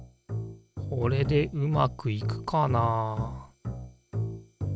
これでうまくいくかなあ？